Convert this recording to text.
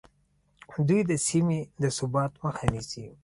دوی د سیمې د ثبات مخه نیسي